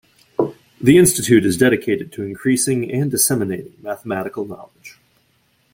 The institute is dedicated to increasing and disseminating mathematical knowledge.